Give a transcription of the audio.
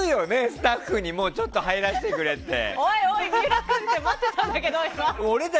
スタッフにもちょっと入らせてくれって。